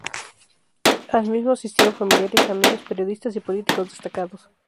Al mismo asistieron familiares, amigos, periodistas y políticos destacados.